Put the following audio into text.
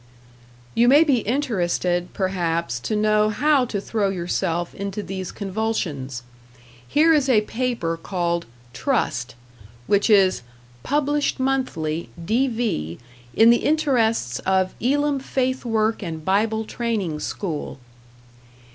You may be interested, perhaps, to know how to throw yourself into these convulsions. Here is a paper called "Trust", which is "published Monthly (D.V.) in the interests of Elim Faith Work and Bible Training School."